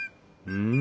うん？